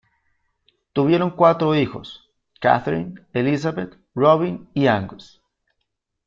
Tuvieron cuatro hijos: Catherine, Elizabeth, Robin y Angus.